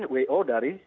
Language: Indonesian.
keluar dari wo dari